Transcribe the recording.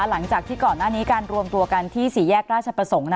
หลังจากที่ก่อนหน้านี้การรวมตัวกันที่สี่แยกราชประสงค์